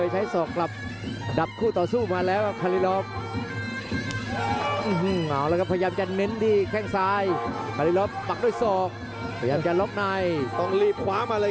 ได้ครับจรรยาลาภกับเด้งตีด้วยฝ่าซ้าย